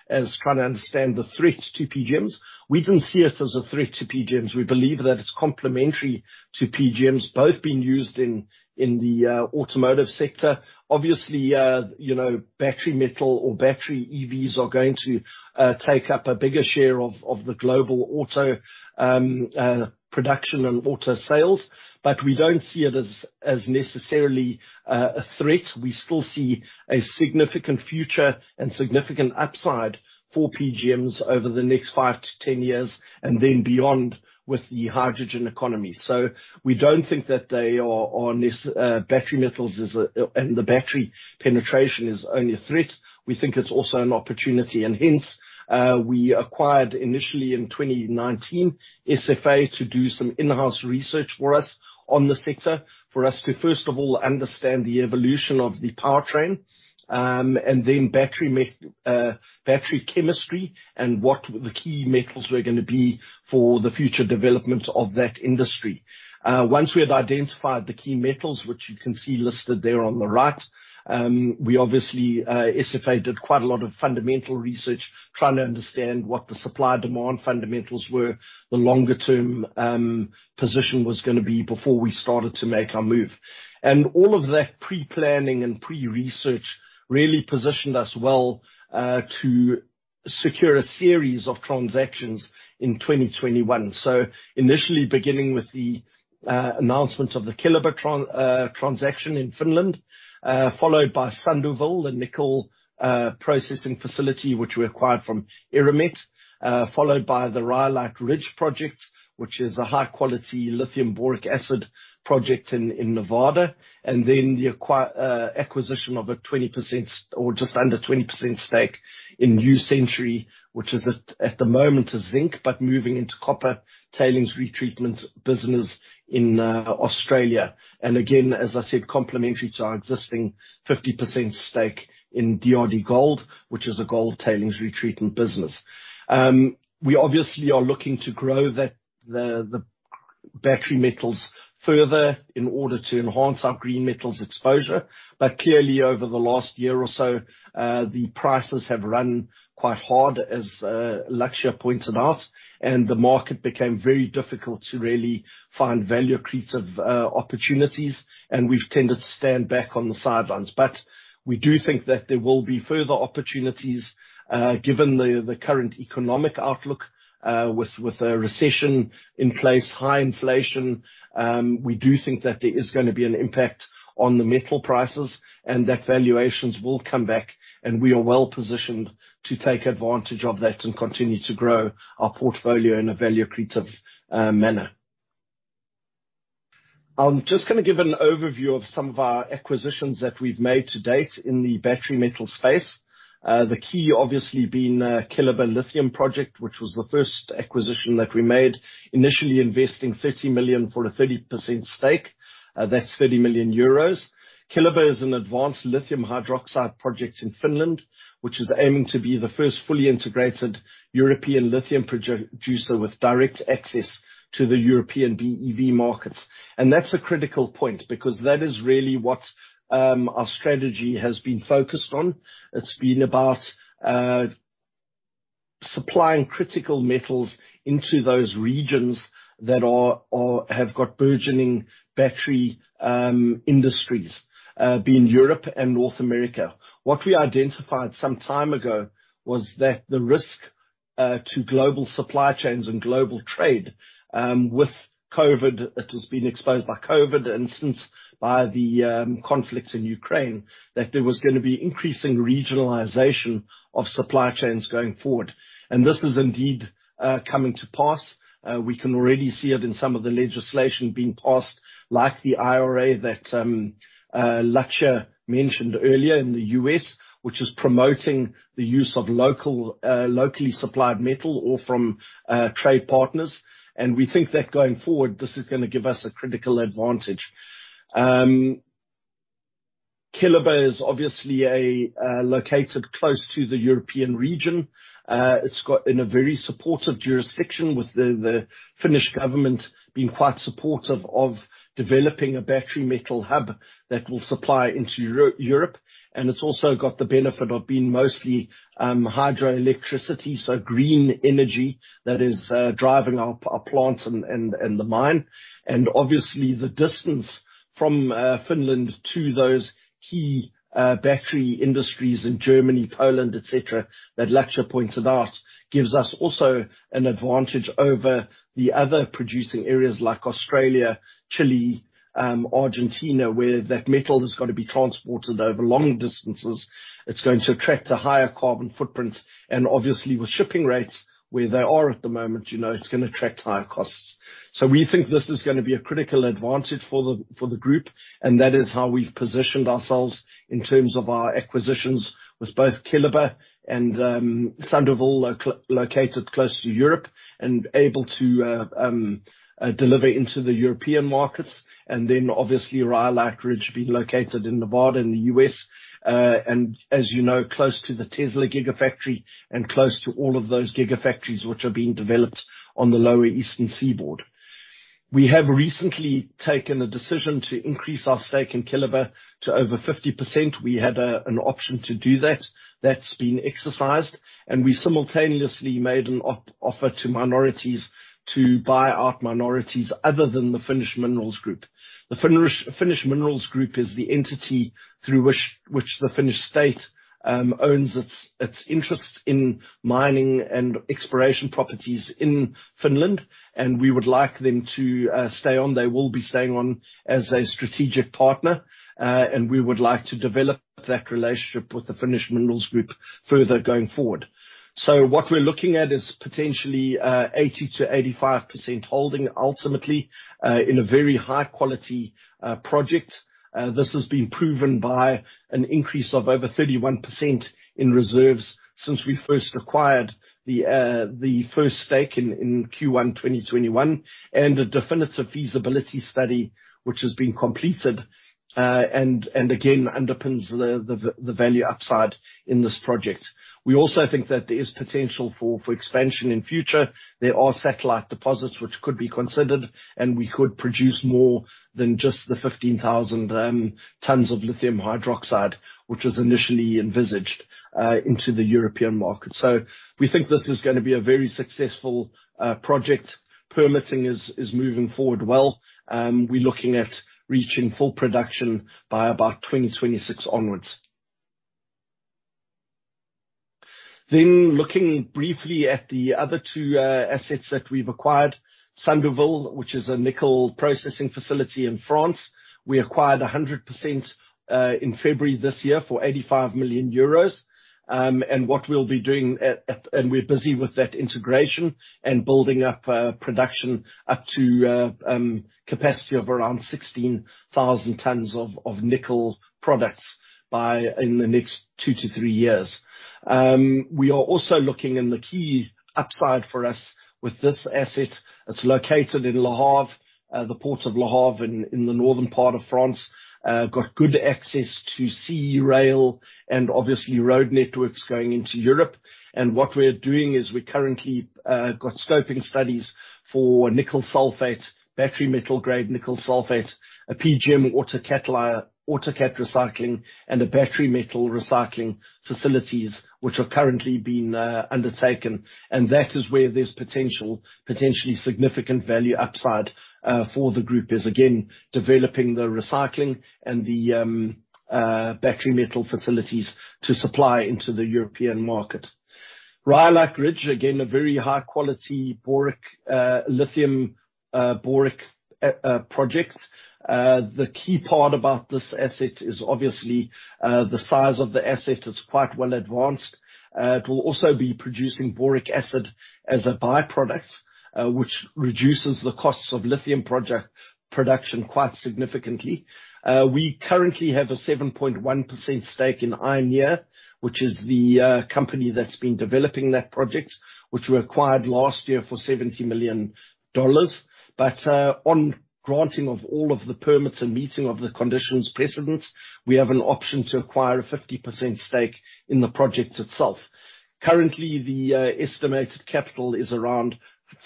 as trying to understand the threat to PGMs. We didn't see it as a threat to PGMs. We believe that it's complementary to PGMs, both being used in the automotive sector. Obviously, you know, battery metal or battery EVs are going to take up a bigger share of the global auto production and auto sales, but we don't see it as necessarily a threat. We still see a significant future and significant upside for PGMs over the next 5-10 years and then beyond with the hydrogen economy. We don't think that battery metals is a threat, and the battery penetration is only a threat. We think it's also an opportunity, and hence, we acquired initially in 2019, SFA to do some in-house research for us on the sector, for us to, first of all, understand the evolution of the powertrain, and then battery chemistry and what the key metals were gonna be for the future development of that industry. Once we had identified the key metals, which you can see listed there on the right, we obviously SFA did quite a lot of fundamental research trying to understand what the supply-demand fundamentals were, the longer-term position was gonna be before we started to make our move. All of that pre-planning and pre-research really positioned us well to secure a series of transactions in 2021. Initially, beginning with the announcement of the Keliber transaction in Finland, followed by Sandouville, the nickel processing facility which we acquired from Eramet, followed by the Rhyolite Ridge project, which is a high-quality lithium boric acid project in Nevada, and then the acquisition of a 20% or just under 20% stake in New Century, which is at the moment a zinc, but moving into copper tailings retreatment business in Australia. Again, as I said, complementary to our existing 50% stake in DRDGOLD, which is a gold tailings retreatment business. We obviously are looking to grow the battery metals further in order to enhance our green metals exposure. Clearly, over the last year or so, the prices have run quite hard, as Lakshya pointed out, and the market became very difficult to really find value-accretive opportunities. We've tended to stand back on the sidelines. We do think that there will be further opportunities, given the current economic outlook, with a recession in place, high inflation. We do think that there is gonna be an impact on the metal prices and that valuations will come back, and we are well-positioned to take advantage of that and continue to grow our portfolio in a value-accretive manner. I'm just gonna give an overview of some of our acquisitions that we've made to date in the battery metal space. The key obviously being, Keliber lithium project, which was the first acquisition that we made, initially investing 30 million for a 30% stake. That's 30 million euros. Keliber is an advanced lithium hydroxide project in Finland, which is aiming to be the first fully integrated European lithium producer with direct access to the European BEV markets. That's a critical point because that is really what our strategy has been focused on. It's been about supplying critical metals into those regions that are have got burgeoning battery industries, being Europe and North America. What we identified some time ago was that the risk to global supply chains and global trade has been exposed by COVID and since by the conflict in Ukraine, that there was gonna be increasing regionalization of supply chains going forward. This is indeed coming to pass. We can already see it in some of the legislation being passed, like the IRA that Lakshya mentioned earlier in the U.S., which is promoting the use of local, locally supplied metal or from trade partners. We think that going forward, this is gonna give us a critical advantage. Keliber is obviously located close to the European region. It's got in a very supportive jurisdiction with the Finnish government being quite supportive of developing a battery metal hub that will supply into Europe. It's also got the benefit of being mostly hydroelectricity, so green energy that is driving our plants and the mine. Obviously, the distance from Finland to those key battery industries in Germany, Poland, et cetera, that Lakshya pointed out, gives us also an advantage over the other producing areas like Australia, Chile, Argentina, where that metal has got to be transported over long distances. It's going to attract a higher carbon footprint. Obviously with shipping rates where they are at the moment, you know, it's gonna attract higher costs. We think this is gonna be a critical advantage for the group, and that is how we've positioned ourselves in terms of our acquisitions, with both Keliber and Sandouville located close to Europe and able to deliver into the European markets, and then obviously Rhyolite Ridge being located in Nevada, in the U.S., and as you know, close to the Tesla Gigafactory and close to all of those Gigafactories which are being developed on the lower eastern seaboard. We have recently taken a decision to increase our stake in Keliber to over 50%. We had an option to do that. That's been exercised, and we simultaneously made an offer to minorities to buy out minorities other than the Finnish Minerals Group. The Finnish Minerals Group is the entity through which the Finnish state owns its interests in mining and exploration properties in Finland. We would like them to stay on. They will be staying on as a strategic partner. We would like to develop that relationship with the Finnish Minerals Group further going forward. What we're looking at is potentially 80%-85% holding ultimately in a very high quality project. This has been proven by an increase of over 31% in reserves since we first acquired the first stake in Q1 2021, and a definitive feasibility study which has been completed. Again underpins the value upside in this project. We also think that there is potential for expansion in future. There are satellite deposits which could be considered, and we could produce more than just the 15,000 tons of lithium hydroxide, which was initially envisaged into the European market. We think this is gonna be a very successful project. Permitting is moving forward well. We're looking at reaching full production by about 2026 onwards. Looking briefly at the other two assets that we've acquired. Sandouville, which is a nickel processing facility in France. We acquired 100% in February this year for 85 million euros. and what we'll be doing we're busy with that integration and building up production up to capacity of around 16,000 tons of nickel products by in the next 2-3 years. We are also looking in the key upside for us with this asset. It's located in Le Havre, the Port of Le Havre in the northern part of France. Got good access to sea, rail, and obviously road networks going into Europe. What we're doing is we currently got scoping studies for nickel sulfate, battery metal grade nickel sulfate, a PGM autocatalyst recycling, and a battery metal recycling facilities which are currently being undertaken. That is where there's potential, potentially significant value upside for the group is again developing the recycling and the battery metal facilities to supply into the European market. Rhyolite Ridge, again, a very high quality boron lithium project. The key part about this asset is obviously the size of the asset. It's quite well advanced. It will also be producing boric acid as a byproduct, which reduces the costs of lithium project production quite significantly. We currently have a 7.1% stake in Ioneer, which is the company that's been developing that project, which we acquired last year for $70 million. On granting of all of the permits and meeting of the conditions precedent, we have an option to acquire a 50% stake in the project itself. Currently, the estimated capital is around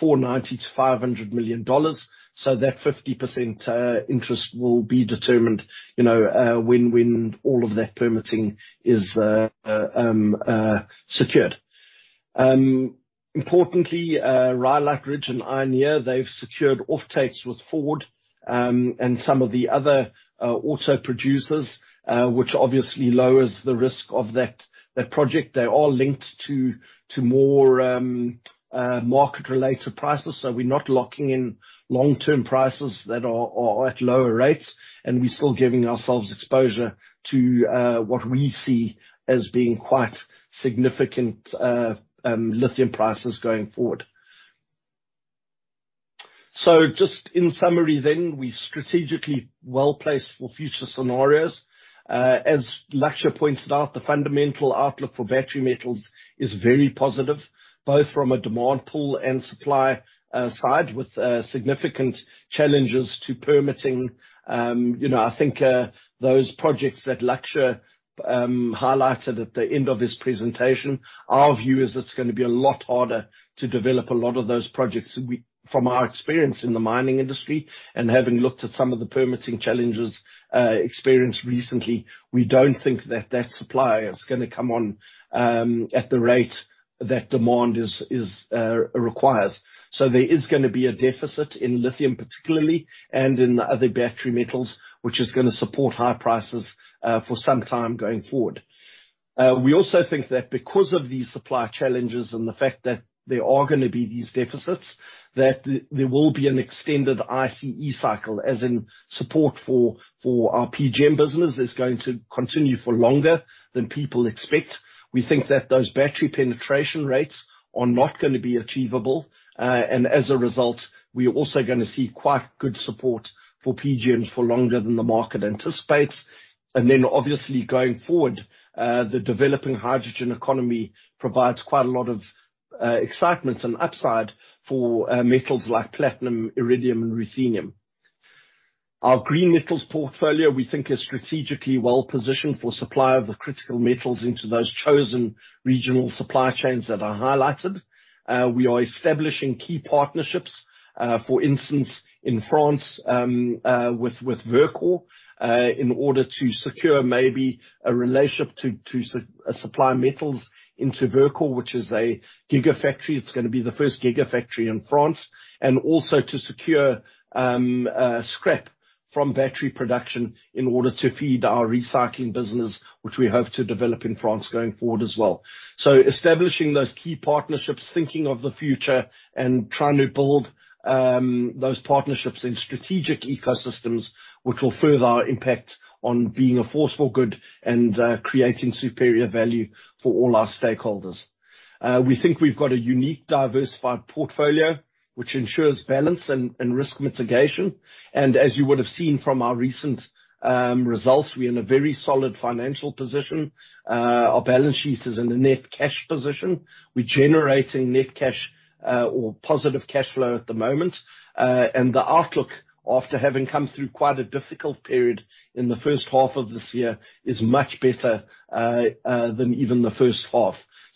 $490 million-$500 million, so that 50% interest will be determined, you know, when all of that permitting is secured. Importantly, Rhyolite Ridge and Ioneer, they've secured offtakes with Ford, and some of the other auto producers, which obviously lowers the risk of that project. They're all linked to more market-related prices. We're not locking in long-term prices that are at lower rates, and we're still giving ourselves exposure to what we see as being quite significant lithium prices going forward. Just in summary, we strategically well-placed for future scenarios. As Lakshya pointed out, the fundamental outlook for battery metals is very positive, both from a demand pull and supply side with significant challenges to permitting. You know, I think those projects that Lakshya highlighted at the end of his presentation, our view is it's gonna be a lot harder to develop a lot of those projects. From our experience in the mining industry and having looked at some of the permitting challenges experienced recently, we don't think that supply is gonna come on at the rate that demand requires. There is gonna be a deficit in lithium particularly and in other battery metals, which is gonna support high prices for some time going forward. We also think that because of these supply challenges and the fact that there are gonna be these deficits, that there will be an extended ICE cycle, as in support for our PGM business is going to continue for longer than people expect. We think that those battery penetration rates are not gonna be achievable. As a result, we are also gonna see quite good support for PGM for longer than the market anticipates. Obviously going forward, the developing hydrogen economy provides quite a lot of excitement and upside for metals like platinum, iridium and ruthenium. Our green metals portfolio, we think, is strategically well-positioned for supply of the critical metals into those chosen regional supply chains that are highlighted. We are establishing key partnerships, for instance, in France, with Verkor, in order to secure maybe a relationship to supply metals into Verkor, which is a Gigafactory. It's gonna be the first Gigafactory in France. Also to secure scrap from battery production in order to feed our recycling business, which we hope to develop in France going forward as well. Establishing those key partnerships, thinking of the future and trying to build those partnerships in strategic ecosystems, which will further our impact on being a force for good and creating superior value for all our stakeholders. We think we've got a unique, diversified portfolio which ensures balance and risk mitigation. As you would have seen from our recent results, we're in a very solid financial position. Our balance sheet is in a net cash position. We're generating net cash or positive cash flow at the moment. The outlook after having come through quite a difficult period in the first half of this year is much better than even the first half.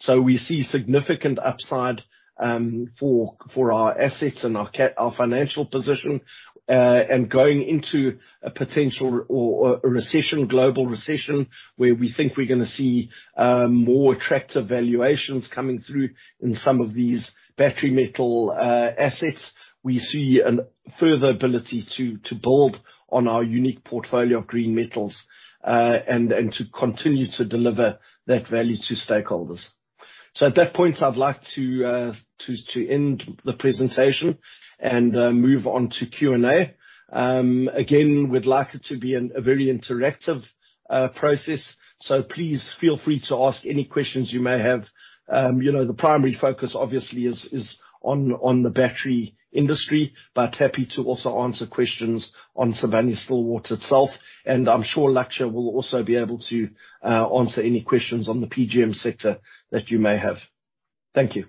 We see significant upside for our assets and our financial position and going into a potential or a global recession, where we think we're gonna see more attractive valuations coming through in some of these battery metal assets. We see a further ability to build on our unique portfolio of green metals and to continue to deliver that value to stakeholders. At that point, I'd like to end the presentation and move on to Q&A. Again, we'd like it to be a very interactive process, so please feel free to ask any questions you may have. You know, the primary focus obviously is on the battery industry, but happy to also answer questions on Sibanye-Stillwater itself, and I'm sure Lakshya will also be able to answer any questions on the PGM sector that you may have. Thank you.